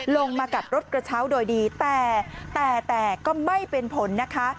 ลงมากับรถกระเช้าโดยดีแต่แต่ก็ไม่เป็นผลนะคะ